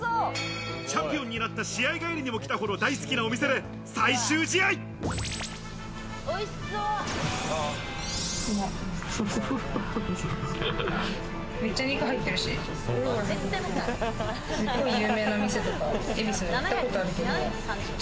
チャンピオンになった試合帰りにも来たほど大好きなお店で最終試うまっ。